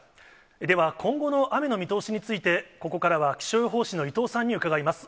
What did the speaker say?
では、今後の雨の見通しについて、ここからは気象予報士の伊藤さんに伺います。